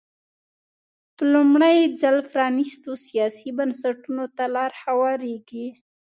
په لومړي ځل پرانېستو سیاسي بنسټونو ته لار هوارېږي.